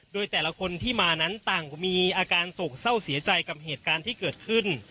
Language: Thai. โดยแต่ละคนที่มานั้นต่างมีอาการโศกเศร้าเสียใจกับเหตุการณ์ที่เกิดขึ้น